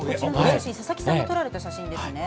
佐々木さんが撮られた写真ですね。